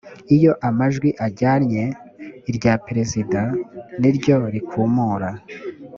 iyo amajwi agannye irya perezida niryo rikumura